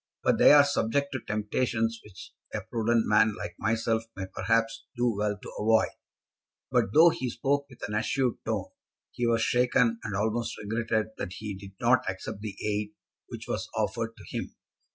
But they are subject to temptations which a prudent man like myself may perhaps do well to avoid." But though he spoke with an assured tone, he was shaken, and almost regretted that he did not accept the aid which was offered to him.